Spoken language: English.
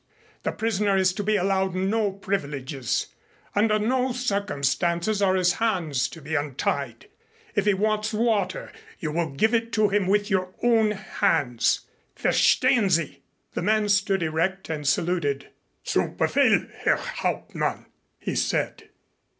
The prisoner is to be allowed no privileges. Under no circumstances are his hands to be untied. If he wants water, you will give it to him with your own hands. Verstehen sie?" The man stood erect and saluted. "Zu befehl, Herr Hauptmann," he said.